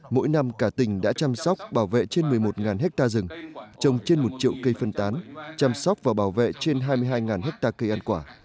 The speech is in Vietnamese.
mỗi năm cả tỉnh đã chăm sóc bảo vệ trên một mươi một ha rừng trồng trên một triệu cây phân tán chăm sóc và bảo vệ trên hai mươi hai hectare cây ăn quả